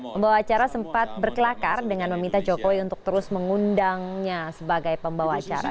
pembawa acara sempat berkelakar dengan meminta jokowi untuk terus mengundangnya sebagai pembawa acara